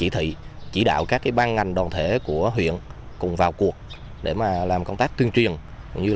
tạo các ban ngành đoàn thể của huyện cùng vào cuộc để làm công tác tuyên truyền